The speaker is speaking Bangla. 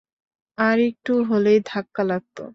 আর একটু হলেই ধাক্কা লাগত।